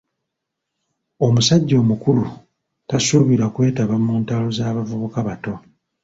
Omusajja omukulu tasuubirwa kwetaba mu ntalo za bavubuka bato.